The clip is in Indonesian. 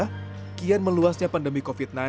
kian meluasnya pandemi covid sembilan belas